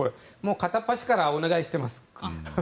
片っ端からお願いしています。